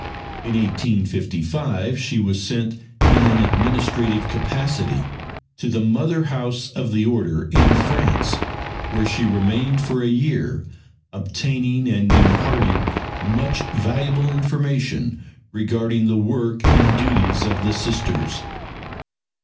In 1855 she was sent in an administrative capacity to the mother house of the Order in France, where she remained for a year, obtaining and imparting much valuable information regarding the work and duties of Sisters.